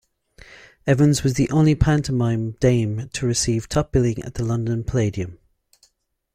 Evans was the only pantomime dame to receive top billing at the London Palladium.